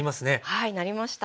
はいなりました。